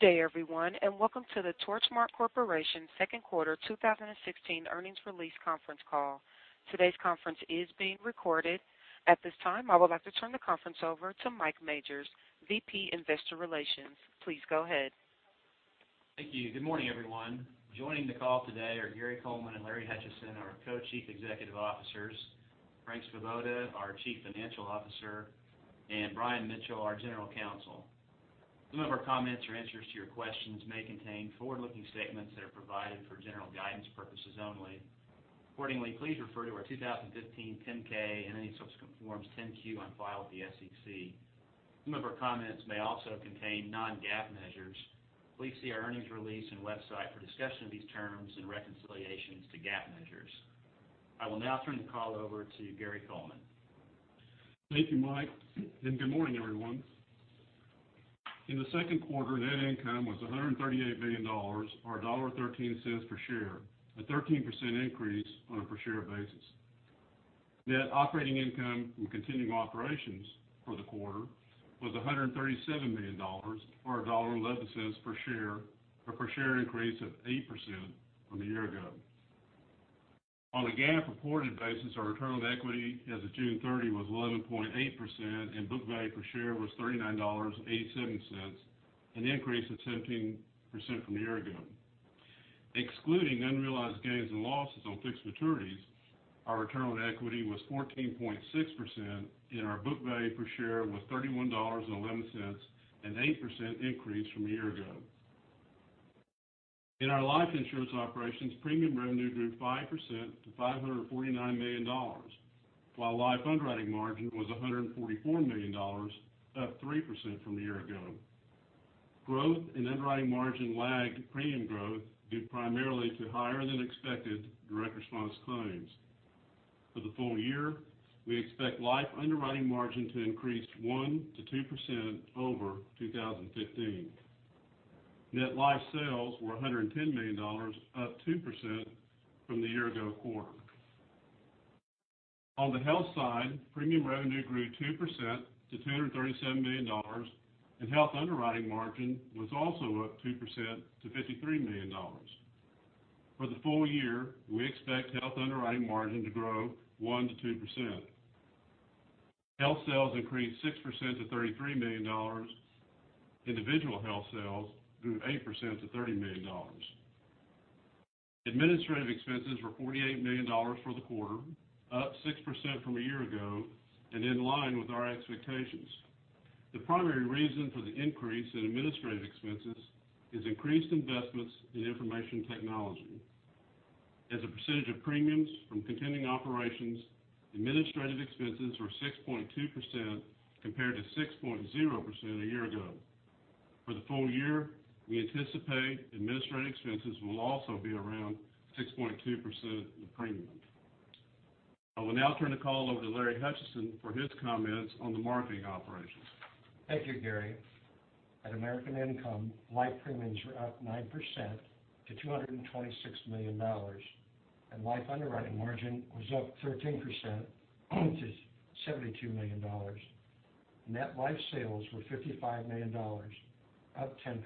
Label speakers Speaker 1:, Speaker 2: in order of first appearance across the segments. Speaker 1: Good day, everyone, and welcome to the Torchmark Corporation second quarter 2016 earnings release conference call. Today's conference is being recorded. At this time, I would like to turn the conference over to Mike Majors, VP, Investor Relations. Please go ahead.
Speaker 2: Thank you. Good morning, everyone. Joining the call today are Gary Coleman and Larry Hutchison, our Co-Chief Executive Officers, Frank Svoboda, our Chief Financial Officer, and Brian Mitchell, our General Counsel. Some of our comments or answers to your questions may contain forward-looking statements that are provided for general guidance purposes only. Accordingly, please refer to our 2015 10-K and any subsequent forms 10-Q on file with the SEC. Some of our comments may also contain non-GAAP measures. Please see our earnings release and website for a discussion of these terms and reconciliations to GAAP measures. I will now turn the call over to Gary Coleman.
Speaker 3: Thank you, Mike, and good morning, everyone. In the second quarter, net income was $138 million, or $1.13 per share, a 13% increase on a per-share basis. Net operating income from continuing operations for the quarter was $137 million, or $1.11 per share, a per-share increase of 8% from a year ago. On a GAAP-reported basis, our return on equity as of June 30 was 11.8%, and book value per share was $39.87, an increase of 17% from a year ago. Excluding unrealized gains and losses on fixed maturities, our return on equity was 14.6%, and our book value per share was $31.11, an 8% increase from a year ago. In our life insurance operations, premium revenue grew 5% to $549 million, while life underwriting margin was $144 million, up 3% from a year ago. Growth in underwriting margin lagged premium growth due primarily to higher-than-expected direct response claims. For the full year, we expect life underwriting margin to increase 1%-2% over 2015. Net life sales were $110 million, up 2% from the year-ago quarter. On the health side, premium revenue grew 2% to $237 million, and health underwriting margin was also up 2% to $53 million. For the full year, we expect health underwriting margin to grow 1%-2%. Health sales increased 6% to $33 million. Individual health sales grew 8% to $30 million. Administrative expenses were $48 million for the quarter, up 6% from a year ago, and in line with our expectations. The primary reason for the increase in administrative expenses is increased investments in information technology. As a percentage of premiums from continuing operations, administrative expenses were 6.2%, compared to 6.0% a year ago. For the full year, we anticipate administrative expenses will also be around 6.2% of premium. I will now turn the call over to Larry Hutchison for his comments on the marketing operations.
Speaker 4: Thank you, Gary. At American Income, life premiums were up 9% to $226 million, and life underwriting margin was up 13% to $72 million. Net life sales were $55 million, up 10%,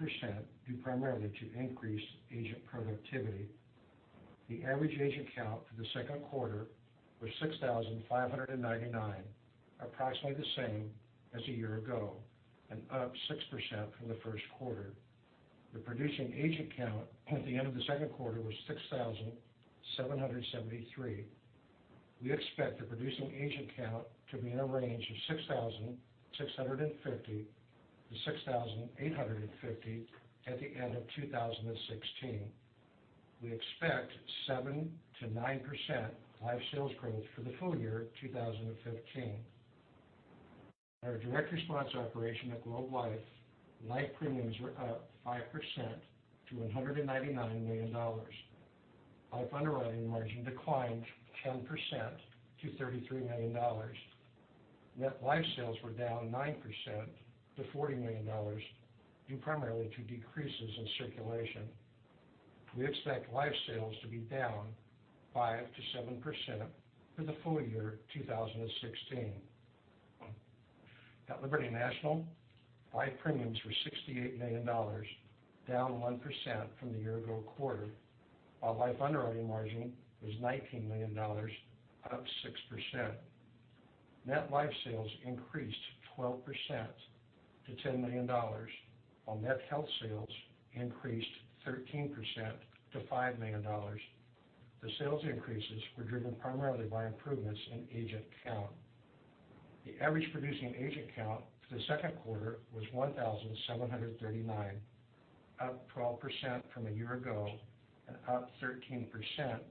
Speaker 4: due primarily to increased agent productivity. The average agent count for the second quarter was 6,599, approximately the same as a year ago and up 6% from the first quarter. The producing agent count at the end of the second quarter was 6,773. We expect the producing agent count to be in a range of 6,650 to 6,850 at the end of 2016. We expect 7%-9% life sales growth for the full year 2015. At our direct response operation at Globe Life, life premiums were up 5% to $199 million. Life underwriting margin declined 10% to $33 million. Net life sales were down 9% to $40 million, due primarily to decreases in circulation. We expect life sales to be down 5%-7% for the full year 2016. At Liberty National, life premiums were $68 million, down 1% from the year-ago quarter, while life underwriting margin was $19 million, up 6%. Net life sales increased 12% to $10 million, while net health sales increased 13% to $5 million. The sales increases were driven primarily by improvements in agent count. The average producing agent count for the second quarter was 1,739, up 12% from a year ago and up 13%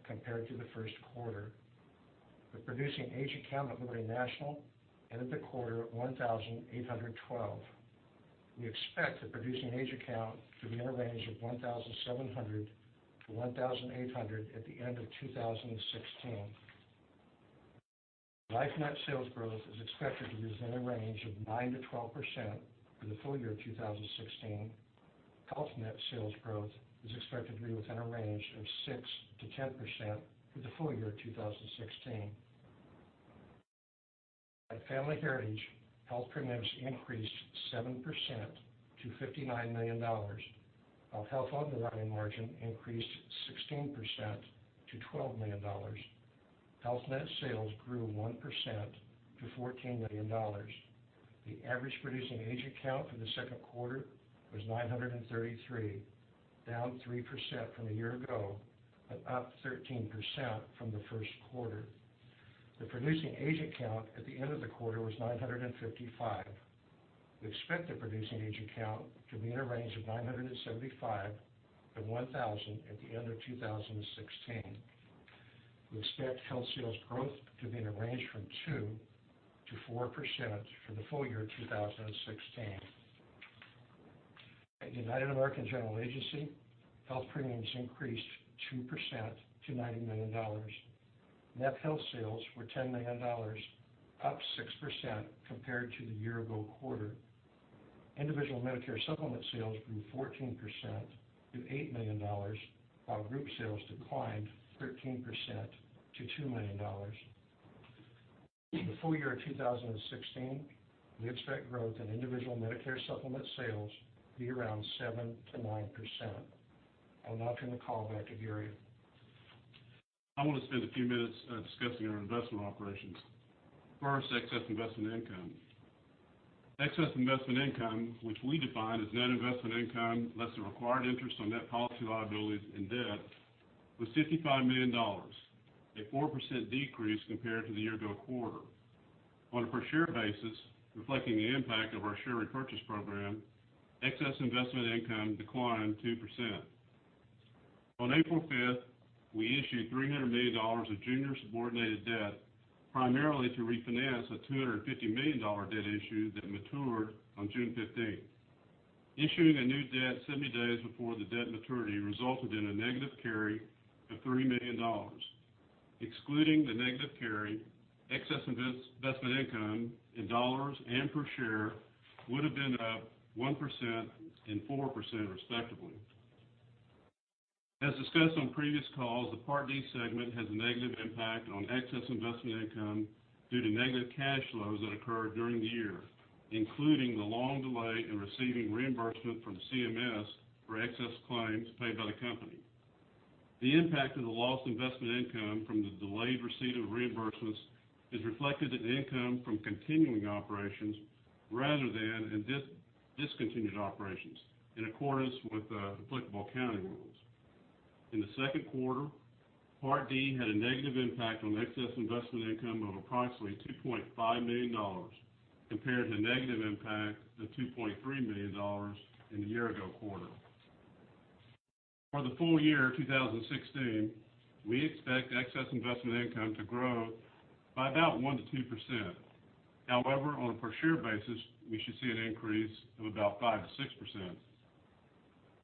Speaker 4: compared to the first quarter. The producing agent count at Liberty National ended the quarter at 1,812. We expect the producing agent count to be in a range of 1,700 to 1,800 at the end of 2016. Life net sales growth is expected to be within a range of 9%-12% for the full year 2016. Health net sales growth is expected to be within a range of 6%-10% for the full year 2016. At Family Heritage, health premiums increased 7% to $59 million, while health underwriting margin increased 16% to $12 million. Health net sales grew 1% to $14 million. The average producing agent count for the second quarter was 933, down 3% from a year ago, but up 13% from the first quarter. The producing agent count at the end of the quarter was 955. We expect the producing agent count to be in a range of 975 to 1,000 at the end of 2016. We expect health sales growth to be in a range from 2%-4% for the full year 2016. At United American General Agency, health premiums increased 2% to $90 million. Net health sales were $10 million, up 6% compared to the year-ago quarter. Individual Medicare supplement sales grew 14% to $8 million, while group sales declined 13% to $2 million. For the full year 2016, we expect growth in individual Medicare supplement sales to be around 7%-9%. I will now turn the call back to Gary.
Speaker 3: I want to spend a few minutes discussing our investment operations. First, excess investment income. Excess investment income, which we define as net investment income less the required interest on net policy liabilities and debt, was $55 million, a 4% decrease compared to the year ago quarter. On a per share basis, reflecting the impact of our share repurchase program, excess investment income declined 2%. On April 5th, we issued $300 million of junior subordinated debt, primarily to refinance a $250 million debt issue that matured on June 15th. Issuing a new debt 70 days before the debt maturity resulted in a negative carry of $30 million. Excluding the negative carry, excess investment income in dollars and per share would have been up 1% and 4% respectively. As discussed on previous calls, the Part D segment has a negative impact on excess investment income due to negative cash flows that occur during the year, including the long delay in receiving reimbursement from the CMS for excess claims paid by the company. The impact of the lost investment income from the delayed receipt of reimbursements is reflected in income from continuing operations rather than in discontinued operations in accordance with applicable accounting rules. In the second quarter, Part D had a negative impact on excess investment income of approximately $2.5 million compared to the negative impact of $2.3 million in the year ago quarter. For the full year 2016, we expect excess investment income to grow by about 1%-2%. However, on a per share basis, we should see an increase of about 5%-6%.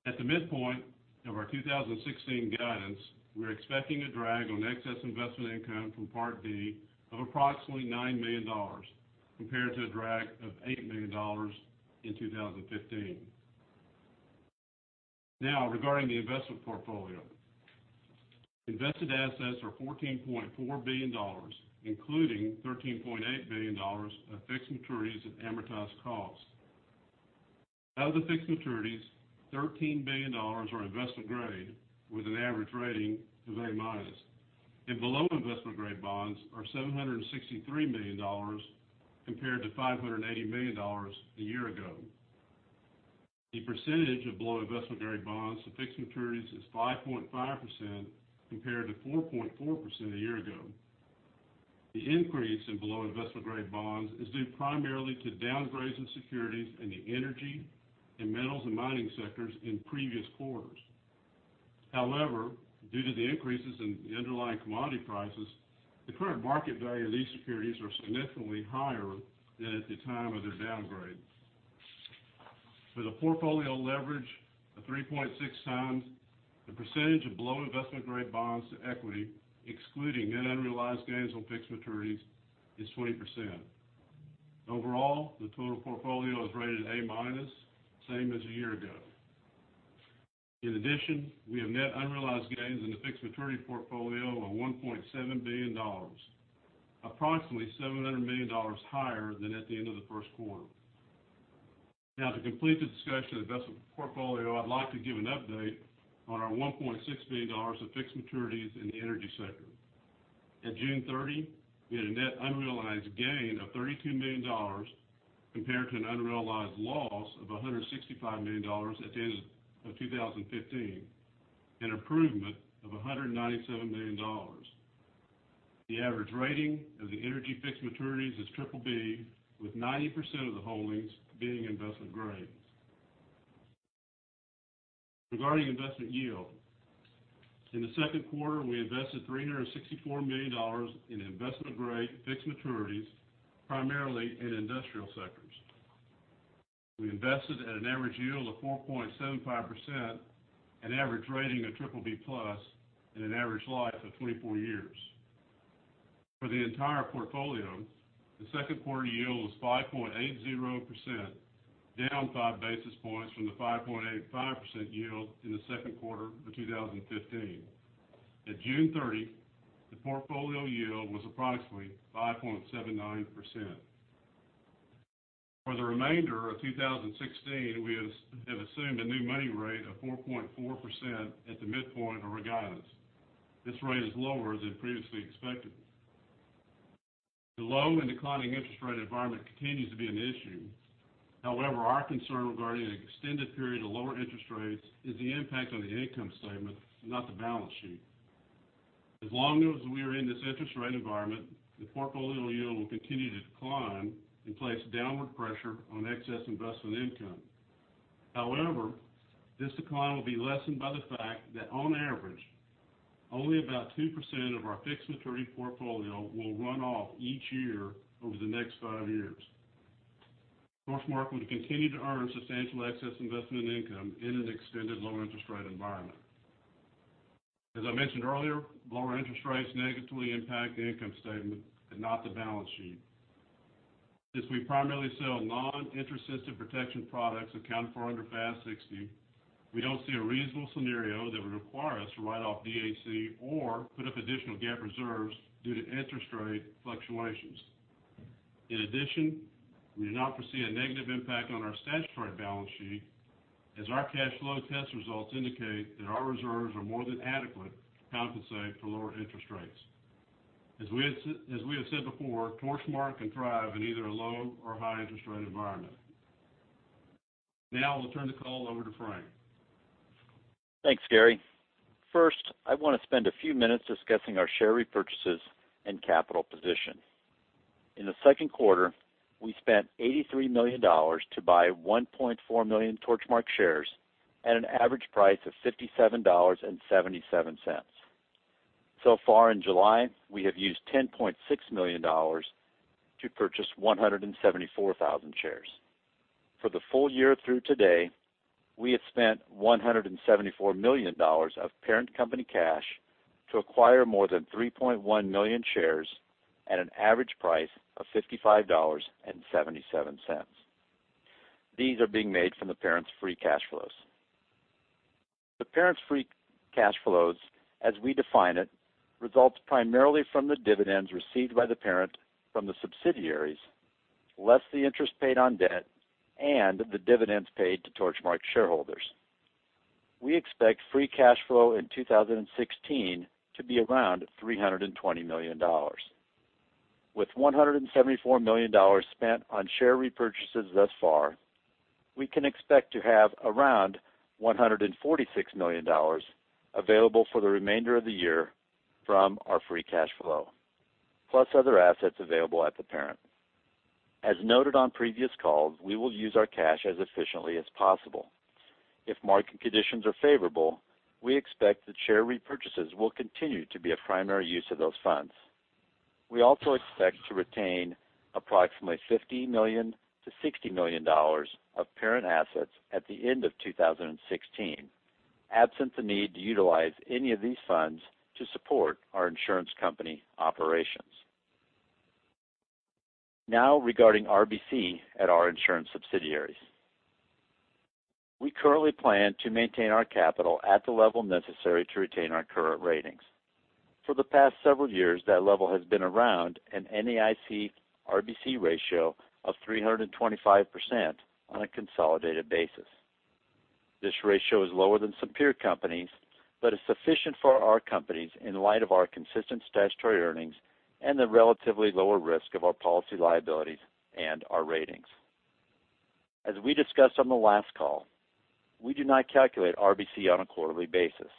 Speaker 3: At the midpoint of our 2016 guidance, we are expecting a drag on excess investment income from Part D of approximately $9 million compared to a drag of $8 million in 2015. Now, regarding the investment portfolio. Invested assets are $14.4 billion, including $13.8 billion of fixed maturities at amortized cost. Of the fixed maturities, $13 billion are investment grade with an average rating of A minus, and below investment-grade bonds are $763 million compared to $580 million a year ago. The percentage of below investment-grade bonds to fixed maturities is 5.5% compared to 4.4% a year ago. The increase in below investment-grade bonds is due primarily to downgrades in securities in the energy and metals and mining sectors in previous quarters. However, due to the increases in the underlying commodity prices, the current market value of these securities are significantly higher than at the time of their downgrade. With a portfolio leverage of 3.6 times, the percentage of below investment-grade bonds to equity, excluding net unrealized gains on fixed maturities, is 20%. Overall, the total portfolio is rated A minus, same as a year ago. In addition, we have net unrealized gains in the fixed maturity portfolio of $1.7 billion, approximately $700 million higher than at the end of the first quarter. Now to complete the discussion of the investment portfolio, I'd like to give an update on our $1.6 billion of fixed maturities in the energy sector. At June 30, we had a net unrealized gain of $32 million compared to an unrealized loss of $165 million at the end of 2015, an improvement of $197 million. The average rating of the energy fixed maturities is BBB, with 90% of the holdings being investment grade. Regarding investment yield, in the second quarter, we invested $364 million in investment-grade fixed maturities, primarily in industrial sectors. We invested at an average yield of 4.75%, an average rating of BBB plus, and an average life of 3.4 years. For the entire portfolio, the second quarter yield was 5.80%, down five basis points from the 5.85% yield in the second quarter of 2015. At June 30, the portfolio yield was approximately 5.79%. For the remainder of 2016, we have assumed a new money rate of 4.4% at the midpoint of our guidance. This rate is lower than previously expected. The low and declining interest rate environment continues to be an issue. However, our concern regarding an extended period of lower interest rates is the impact on the income statement, not the balance sheet. As long as we are in this interest rate environment, the portfolio yield will continue to decline and place downward pressure on excess investment income. However, this decline will be lessened by the fact that on average, only about 2% of our fixed maturity portfolio will run off each year over the next five years. Torchmark will continue to earn substantial excess investment income in an extended low interest rate environment. As I mentioned earlier, lower interest rates negatively impact the income statement and not the balance sheet. Since we primarily sell non-interest sensitive protection products accounted for under FAS 60, we don't see a reasonable scenario that would require us to write off DAC or put up additional GAAP reserves due to interest rate fluctuations. In addition, we do not foresee a negative impact on our statutory balance sheet as our cash flow test results indicate that our reserves are more than adequate to compensate for lower interest rates. As we have said before, Torchmark can thrive in either a low or high interest rate environment. Now I will turn the call over to Frank.
Speaker 5: Thanks, Gary. I want to spend a few minutes discussing our share repurchases and capital position. In the second quarter, we spent $83 million to buy 1.4 million Torchmark shares at an average price of $57.77. In July, we have used $10.6 million to purchase 174,000 shares. For the full year through today, we have spent $174 million of parent company cash to acquire more than 3.1 million shares at an average price of $55.77. These are being made from the parent's free cash flows. The parent's free cash flows, as we define it, results primarily from the dividends received by the parent from the subsidiaries, less the interest paid on debt and the dividends paid to Torchmark shareholders. We expect free cash flow in 2016 to be around $320 million. With $174 million spent on share repurchases thus far, we can expect to have around $146 million available for the remainder of the year from our free cash flow, plus other assets available at the parent. As noted on previous calls, we will use our cash as efficiently as possible. If market conditions are favorable, we expect that share repurchases will continue to be a primary use of those funds. We also expect to retain approximately $50 million-$60 million of parent assets at the end of 2016, absent the need to utilize any of these funds to support our insurance company operations. Regarding RBC at our insurance subsidiaries. We currently plan to maintain our capital at the level necessary to retain our current ratings. For the past several years, that level has been around an NAIC RBC ratio of 325% on a consolidated basis. This ratio is lower than some peer companies, is sufficient for our companies in light of our consistent statutory earnings and the relatively lower risk of our policy liabilities and our ratings. As we discussed on the last call, we do not calculate RBC on a quarterly basis.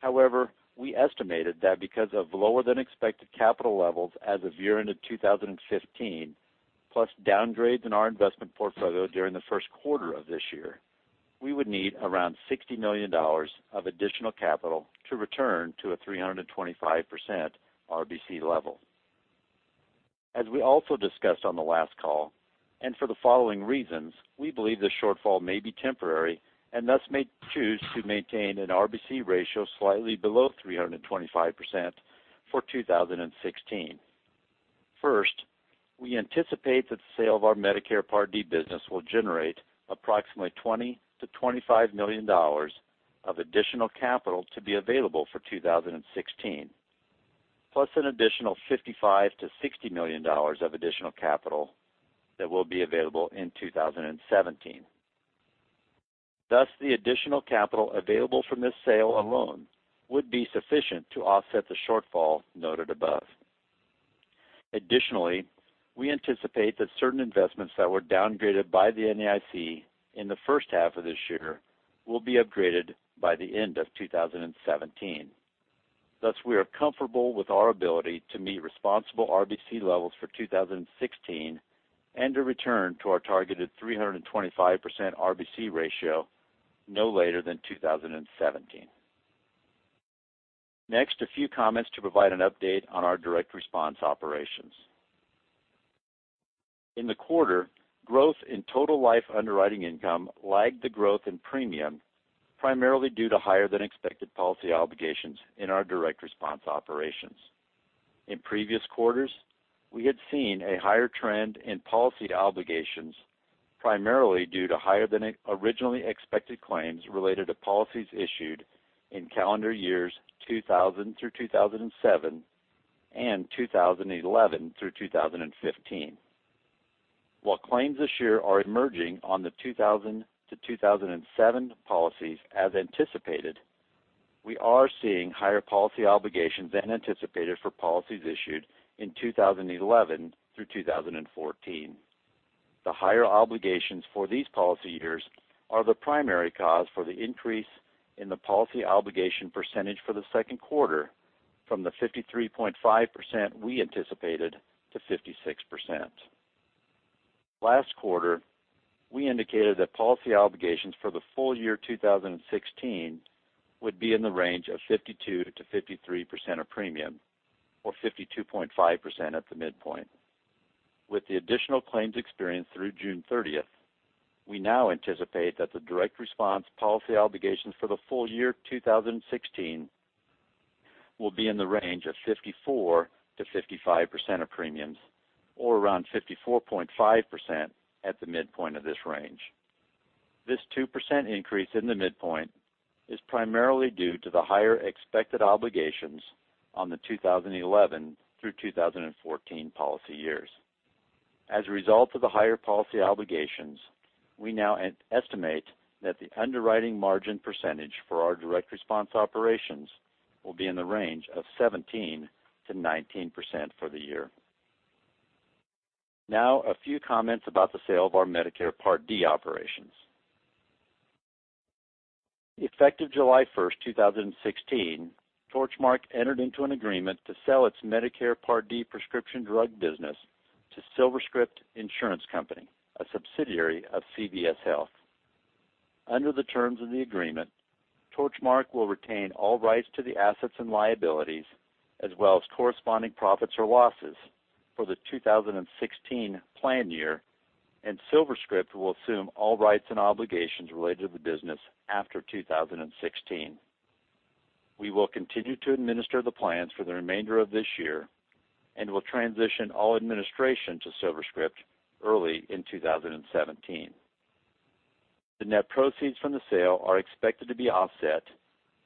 Speaker 5: However, we estimated that because of lower than expected capital levels as of year-end in 2015, plus downgrades in our investment portfolio during the first quarter of this year, we would need around $60 million of additional capital to return to a 325% RBC level. As we also discussed on the last call, for the following reasons, we believe the shortfall may be temporary and thus may choose to maintain an RBC ratio slightly below 325% for 2016. We anticipate that the sale of our Medicare Part D business will generate approximately $20 million-$25 million of additional capital to be available for 2016, plus an additional $55 million-$60 million of additional capital that will be available in 2017. The additional capital available from this sale alone would be sufficient to offset the shortfall noted above. Additionally, we anticipate that certain investments that were downgraded by the NAIC in the first half of this year will be upgraded by the end of 2017. We are comfortable with our ability to meet responsible RBC levels for 2016 and to return to our targeted 325% RBC ratio no later than 2017. A few comments to provide an update on our direct response operations. In the quarter, growth in total life underwriting income lagged the growth in premium, primarily due to higher than expected policy obligations in our direct response operations. In previous quarters, we had seen a higher trend in policy obligations, primarily due to higher than originally expected claims related to policies issued in calendar years 2000 through 2007 and 2011 through 2015. While claims this year are emerging on the 2000 to 2007 policies as anticipated, we are seeing higher policy obligations than anticipated for policies issued in 2011 through 2014. The higher obligations for these policy years are the primary cause for the increase in the policy obligation percentage for the second quarter from the 53.5% we anticipated to 56%. Last quarter, we indicated that policy obligations for the full year 2016 would be in the range of 52%-53% of premium, or 52.5% at the midpoint. With the additional claims experience through June 30th, we now anticipate that the direct response policy obligations for the full year 2016 will be in the range of 54%-55% of premiums, or around 54.5% at the midpoint of this range. This 2% increase in the midpoint is primarily due to the higher expected obligations on the 2011 through 2014 policy years. As a result of the higher policy obligations, we now estimate that the underwriting margin percentage for our direct response operations will be in the range of 17%-19% for the year. Now a few comments about the sale of our Medicare Part D operations. Effective July 1st, 2016, Torchmark entered into an agreement to sell its Medicare Part D prescription drug business to SilverScript Insurance Company, a subsidiary of CVS Health. Under the terms of the agreement, Torchmark will retain all rights to the assets and liabilities as well as corresponding profits or losses for the 2016 plan year, and SilverScript will assume all rights and obligations related to the business after 2016. We will continue to administer the plans for the remainder of this year and will transition all administration to SilverScript early in 2017. The net proceeds from the sale are expected to be offset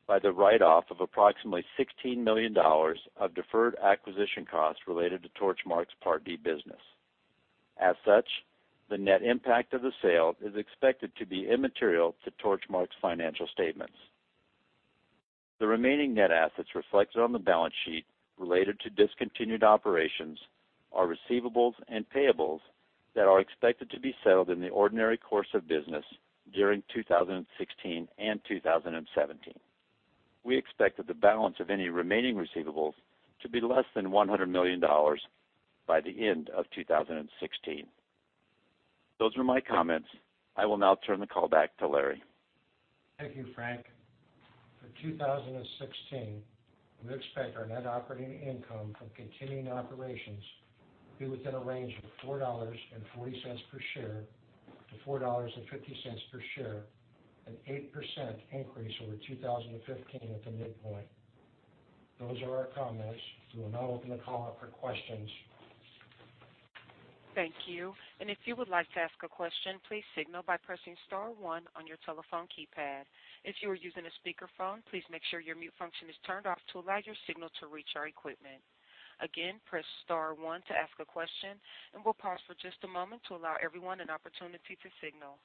Speaker 5: by the write-off of approximately $16 million of deferred acquisition costs related to Torchmark's Part D business. As such, the net impact of the sale is expected to be immaterial to Torchmark's financial statements. The remaining net assets reflected on the balance sheet related to discontinued operations are receivables and payables that are expected to be settled in the ordinary course of business during 2016 and 2017. We expect that the balance of any remaining receivables to be less than $100 million by the end of 2016. Those are my comments. I will now turn the call back to Larry.
Speaker 4: Thank you, Frank. For 2016, we expect our net operating income from continuing operations to be within a range of $4.40 per share to $4.50 per share, an 8% increase over 2015 at the midpoint. Those are our comments. We will now open the call up for questions.
Speaker 1: Thank you. If you would like to ask a question, please signal by pressing star one on your telephone keypad. If you are using a speakerphone, please make sure your mute function is turned off to allow your signal to reach our equipment. Again, press star one to ask a question, we'll pause for just a moment to allow everyone an opportunity to signal.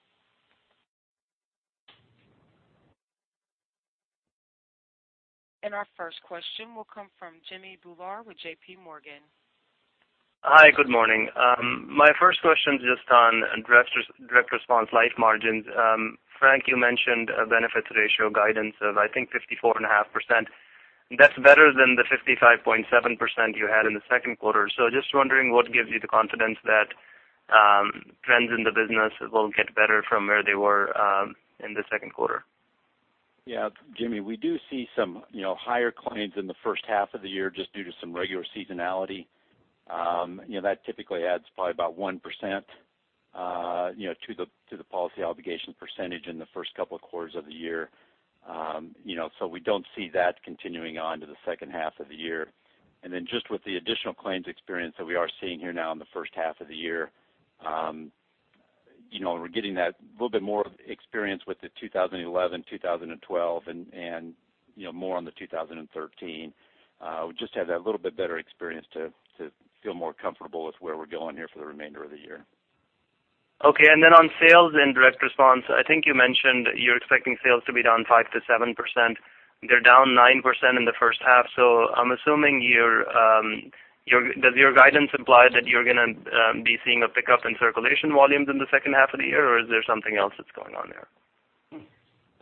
Speaker 1: Our first question will come from Jimmy Bhullar with JPMorgan.
Speaker 6: Hi. Good morning. My first question is just on direct response life margins. Frank, you mentioned a benefits ratio guidance of, I think, 54.5%. That's better than the 55.7% you had in the second quarter. Just wondering what gives you the confidence that trends in the business will get better from where they were in the second quarter.
Speaker 5: Yeah, Jimmy, we do see some higher claims in the first half of the year just due to some regular seasonality. That typically adds probably about 1% to the policy obligation percentage in the first couple of quarters of the year. We don't see that continuing on to the second half of the year. Then just with the additional claims experience that we are seeing here now in the first half of the year, we're getting that little bit more experience with the 2011, 2012, and more on the 2013. We just have that little bit better experience to feel more comfortable with where we're going here for the remainder of the year.
Speaker 6: Okay, on sales and direct response, I think you mentioned you're expecting sales to be down 5%-7%. They're down 9% in the first half. I'm assuming, does your guidance imply that you're going to be seeing a pickup in circulation volumes in the second half of the year, or is there something else that's going on there?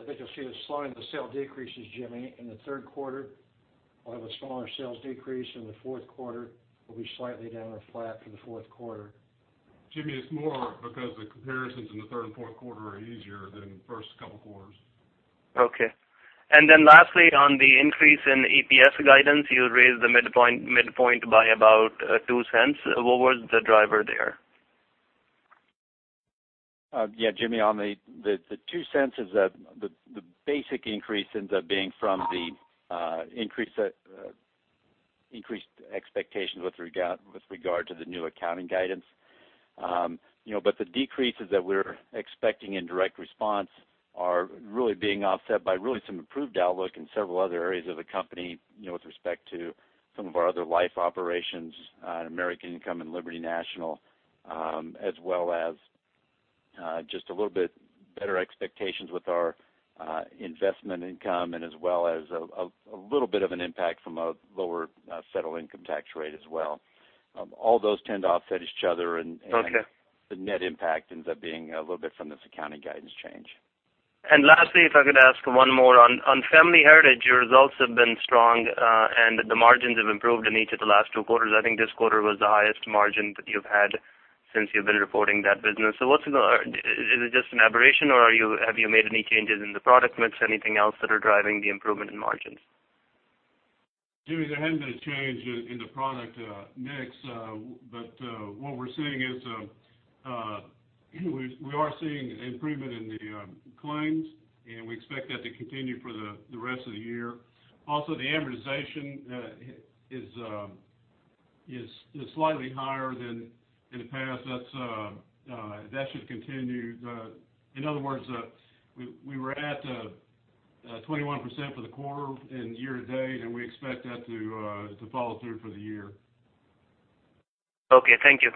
Speaker 4: I think you'll see the slowing of the sale decreases, Jimmy, in the third quarter. We'll have a smaller sales decrease in the fourth quarter. We'll be slightly down or flat for the fourth quarter.
Speaker 3: Jimmy, it's more because the comparisons in the third and fourth quarter are easier than the first couple of quarters.
Speaker 6: Okay. Lastly, on the increase in EPS guidance, you raised the midpoint by about $0.02. What was the driver there?
Speaker 5: Yeah, Jimmy, on the $0.02 is that the basic increase ends up being from the increased expectations with regard to the new accounting guidance. The decreases that we're expecting in direct response are really being offset by really some improved outlook in several other areas of the company with respect to some of our other life operations in American Income and Liberty National, as well as just a little bit better expectations with our investment income as well as a little bit of an impact from a lower settled income tax rate as well. All those tend to offset each other.
Speaker 6: Okay
Speaker 5: The net impact ends up being a little bit from this accounting guidance change.
Speaker 6: Lastly, if I could ask one more on Family Heritage, your results have been strong, and the margins have improved in each of the last two quarters. I think this quarter was the highest margin that you've had since you've been reporting that business. Is it just an aberration, or have you made any changes in the product mix, anything else that are driving the improvement in margins?
Speaker 3: Jimmy, there hasn't been a change in the product mix. What we're seeing is, we are seeing improvement in the claims, and we expect that to continue for the rest of the year. Also, the amortization is slightly higher than in the past. That should continue. In other words, we were at 21% for the quarter in year-to-date, and we expect that to follow through for the year.
Speaker 6: Okay, thank you.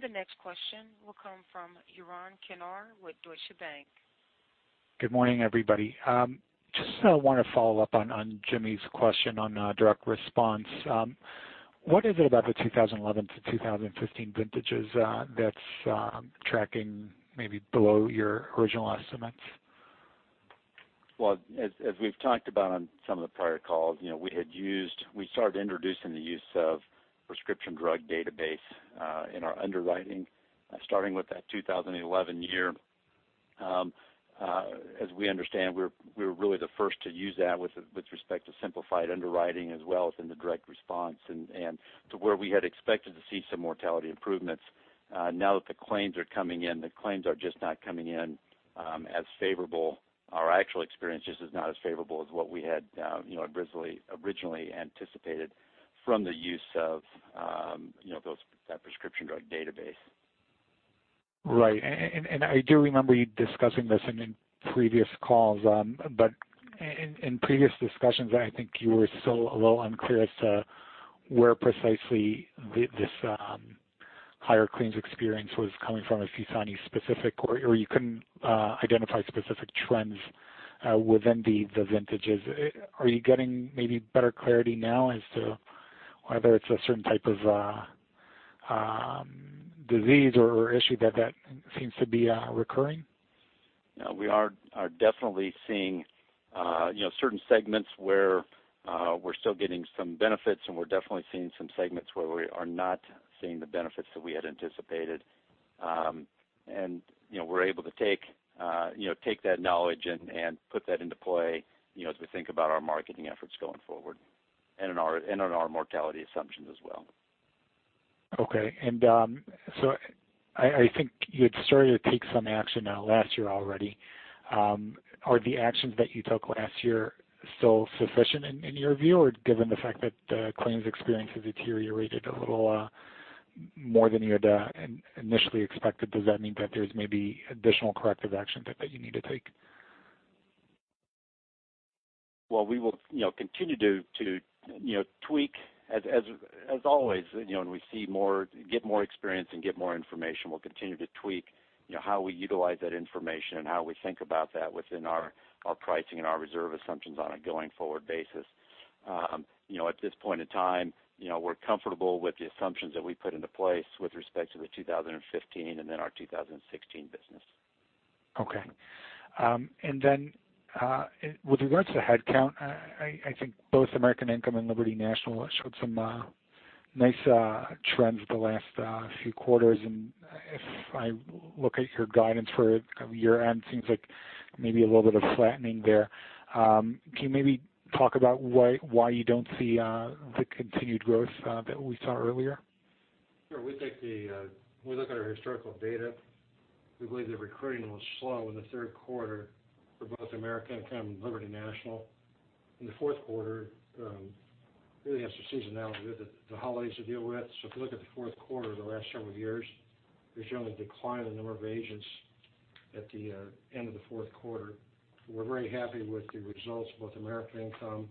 Speaker 1: The next question will come from Yaron Kinar with Deutsche Bank.
Speaker 7: Good morning, everybody. Just want to follow up on Jimmy's question on direct response. What is it about the 2011 to 2015 vintages that's tracking maybe below your original estimates?
Speaker 5: Well, as we've talked about on some of the prior calls, we started introducing the use of prescription drug database in our underwriting, starting with that 2011 year. As we understand, we're really the first to use that with respect to simplified underwriting as well as in the direct response. To where we had expected to see some mortality improvements, now that the claims are coming in, the claims are just not coming in as favorable. Our actual experience just is not as favorable as what we had originally anticipated from the use of that prescription drug database.
Speaker 7: Right. I do remember you discussing this in previous calls, but in previous discussions, I think you were still a little unclear as to where precisely this higher claims experience was coming from, if you saw any specific or you can identify specific trends within the vintages. Are you getting maybe better clarity now as to whether it's a certain type of disease or issue that seems to be recurring?
Speaker 5: We are definitely seeing certain segments where we're still getting some benefits, and we're definitely seeing some segments where we are not seeing the benefits that we had anticipated. We're able to take that knowledge and put that into play as we think about our marketing efforts going forward, and on our mortality assumptions as well.
Speaker 7: Okay. I think you had started to take some action on it last year already. Are the actions that you took last year still sufficient in your view? Given the fact that the claims experience has deteriorated a little more than you had initially expected, does that mean that there's maybe additional corrective action that you need to take?
Speaker 5: Well, we will continue to tweak as always, when we get more experience and get more information, we'll continue to tweak how we utilize that information and how we think about that within our pricing and our reserve assumptions on a going-forward basis. At this point in time, we're comfortable with the assumptions that we put into place with respect to the 2015 and then our 2016 business.
Speaker 7: Okay. With regards to headcount, I think both American Income and Liberty National showed some nice trends the last few quarters. If I look at your guidance for year-end, seems like maybe a little bit of flattening there. Can you maybe talk about why you do not see the continued growth that we saw earlier?
Speaker 4: Sure. We look at our historical data. We believe the recruiting was slow in the third quarter for both American Income and Liberty National. In the fourth quarter, really have some seasonality with the holidays to deal with. If you look at the fourth quarter the last several years, there's generally a decline in the number of agents at the end of the fourth quarter. We're very happy with the results of both American Income,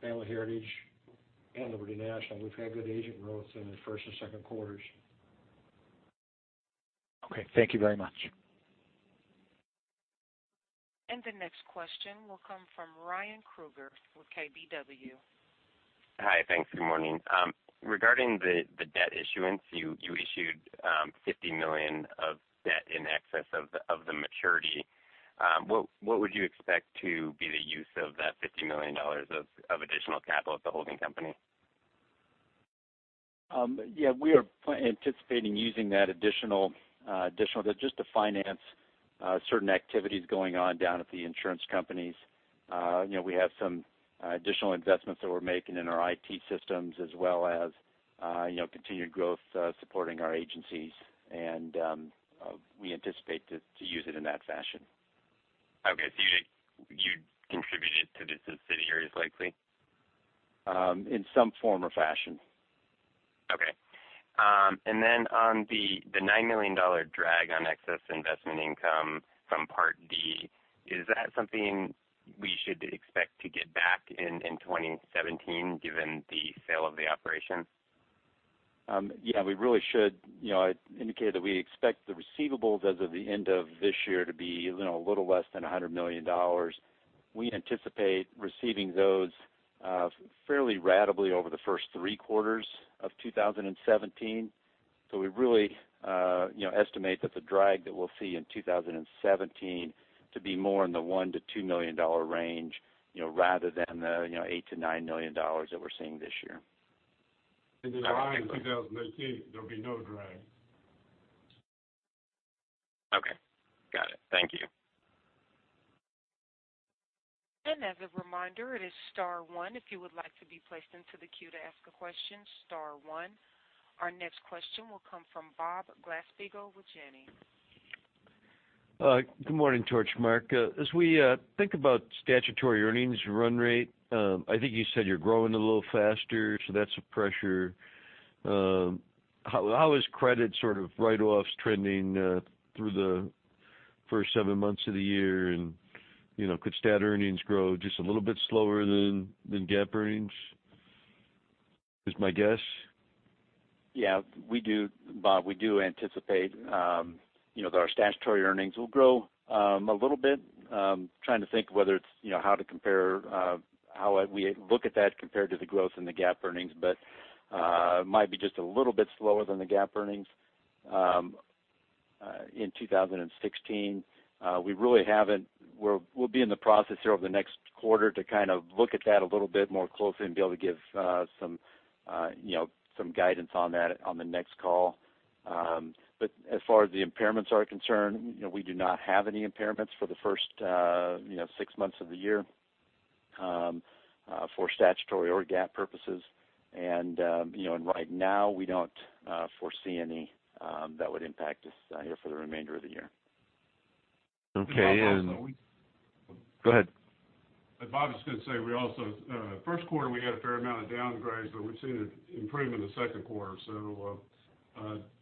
Speaker 4: Family Heritage, and Liberty National. We've had good agent growth in the first and second quarters.
Speaker 7: Okay, thank you very much.
Speaker 1: The next question will come from Ryan Krueger with KBW.
Speaker 8: Hi, thanks. Good morning. Regarding the debt issuance, you issued $50 million of debt in excess of the maturity. What would you expect to be the use of that $50 million of additional capital at the holding company?
Speaker 5: Yeah, we are anticipating using that additional just to finance certain activities going on down at the insurance companies. We have some additional investments that we're making in our IT systems, as well as continued growth supporting our agencies. We anticipate to use it in that fashion.
Speaker 8: Okay. You'd contribute it to the subsidiary is likely?
Speaker 5: In some form or fashion.
Speaker 8: Okay. Then on the $9 million drag on excess investment income from Part D, is that something we should expect to get back in 2017 given the sale of the operation?
Speaker 5: Yeah, we really should. I indicated that we expect the receivables as of the end of this year to be a little less than $100 million. We anticipate receiving those fairly ratably over the first three quarters of 2017. We really estimate that the drag that we'll see in 2017 to be more in the $1 million to $2 million range, rather than the $8 million to $9 million that we're seeing this year.
Speaker 3: Then in 2018, there'll be no drag.
Speaker 8: Okay. Got it. Thank you.
Speaker 1: As a reminder, it is star one if you would like to be placed into the queue to ask a question, star one. Our next question will come from Bob Glasspiegel with Janney.
Speaker 9: Good morning, Torchmark. We think about statutory earnings run rate, I think you said you're growing a little faster, so that's a pressure. How is credit sort of write-offs trending through the first seven months of the year, and could stat earnings grow just a little bit slower than GAAP earnings? Is my guess.
Speaker 5: Bob, we do anticipate that our statutory earnings will grow a little bit. I'm trying to think how we look at that compared to the growth in the GAAP earnings. Might be just a little bit slower than the GAAP earnings in 2016. We'll be in the process here over the next quarter to kind of look at that a little bit more closely and be able to give some guidance on that on the next call. As far as the impairments are concerned, we do not have any impairments for the first six months of the year for statutory or GAAP purposes. Right now, we don't foresee any that would impact us here for the remainder of the year.
Speaker 9: Okay.
Speaker 3: Bob, also we-
Speaker 9: Go ahead.
Speaker 3: Bob was going to say, first quarter we had a fair amount of downgrades, but we've seen an improvement in the second quarter.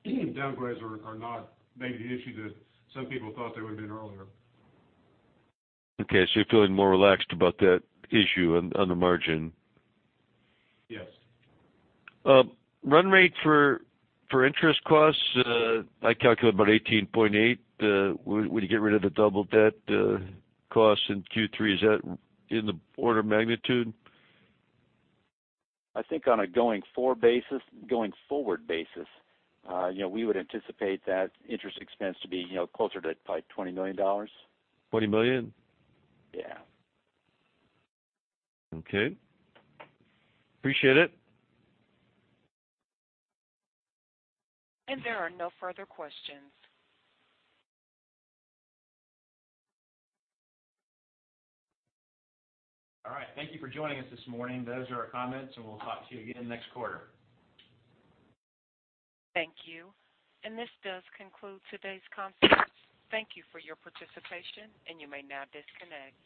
Speaker 3: Downgrades are not maybe the issue that some people thought they would've been earlier.
Speaker 9: You're feeling more relaxed about that issue on the margin?
Speaker 3: Yes.
Speaker 9: Run rate for interest costs, I calculate about $18.8. When you get rid of the double debt costs in Q3, is that in the order of magnitude?
Speaker 5: I think on a going forward basis, we would anticipate that interest expense to be closer to $20 million.
Speaker 9: $20 million?
Speaker 5: Yeah.
Speaker 9: Okay. Appreciate it.
Speaker 1: There are no further questions.
Speaker 5: All right. Thank you for joining us this morning. Those are our comments, and we'll talk to you again next quarter.
Speaker 1: Thank you. This does conclude today's conference. Thank you for your participation, and you may now disconnect.